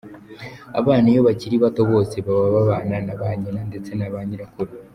Abana iyo bakiri bato bose baba babana na ba nyina ndetse naba nyirakuru.